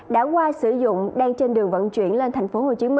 đã qua sử dụng đang trên đường vận chuyển lên tp hcm